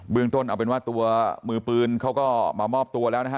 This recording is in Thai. เรื่องต้นเอาเป็นว่าตัวมือปืนเขาก็มามอบตัวแล้วนะฮะ